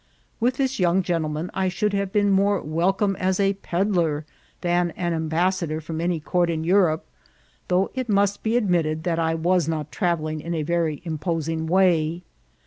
With this young gentleman I should have been more welcome as a pedler than an ambassador from any court in Eurqpe, though it must be admitted that I was not travelling in a very imposing way.